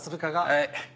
はい。